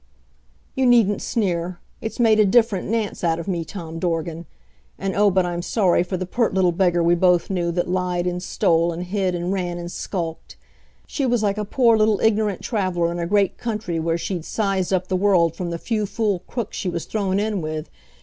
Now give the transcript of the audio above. "You needn't sneer; it's made a different Nance out of me, Tom Dorgan. And, oh, but I'm sorry for the pert little beggar we both knew that lied and stole and hid and ran and skulked! She was like a poor little ignorant traveler in a great country where she'd sized up the world from the few fool crooks she was thrown in with.